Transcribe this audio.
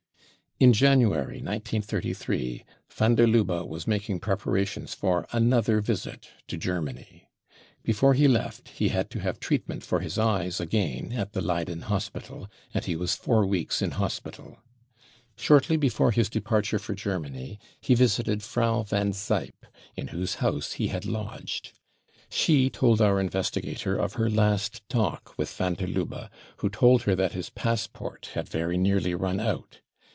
In January 1 933, van der Lubbe was making preparations for another visit to Ger many. Before he left he had to have treatment for his eyes again at the Leyden hospital, and he was four weeks in hospital. Shortly before his departure for Germany he visited Frau van Zijp, in whose house he had lodged. She told our investigator of her last talk with van der Lubbe, who told her that his passport had Very nearly run out.